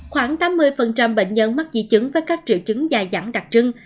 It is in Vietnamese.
khoảng tám mươi bệnh nhân mắc di chứng với các triệu chứng dài dẳng đặc trưng